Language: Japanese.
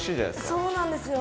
そうなんですよ。